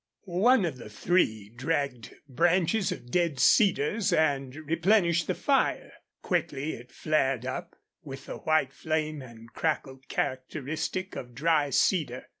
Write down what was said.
One of the three dragged branches of dead cedars and replenished the fire. Quickly it flared up, with the white flame and crackle characteristic of dry cedar.